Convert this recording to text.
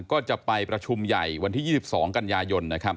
ก็จะไปประชุมใหญ่วันที่๒๒กันยายน